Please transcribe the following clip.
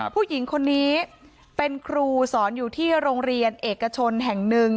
ผู้หญิงคนนี้เป็นครูสอนอยู่ที่โรงเรียนเอกชนแห่งหนึ่ง